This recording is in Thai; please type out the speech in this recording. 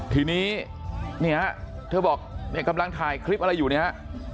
ทีนี้เนี่ยเธอบอกเนี่ยกำลังถ่ายคลิปอะไรอยู่เนี่ยฮะ